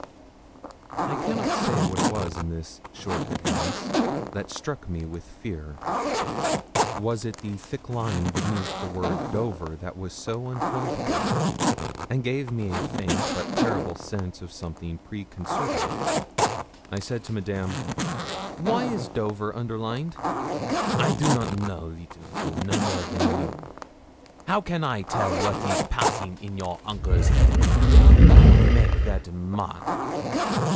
I cannot say what it was in this short advice that struck me with fear. Was it the thick line beneath the word 'Dover,' that was so uncalled for, and gave me a faint but terrible sense of something preconcerted? I said to Madame 'Why is "Dover" underlined?' 'I do not know, little fool, no more than you. How can I tell what is passing in your oncle's head when he make that a mark?'